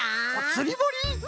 つりぼり？